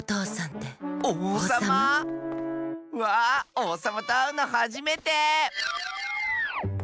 わあおうさまとあうのはじめて。